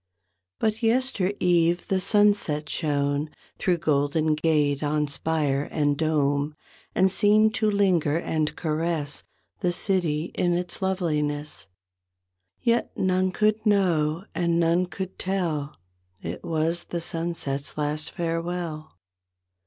But yester eve the sunset shone Thro' Golden Gate on spire and dome And seemed to linger and caress The city in its loveliness. Yet none could know and none could tell It was the sunset's last farewell.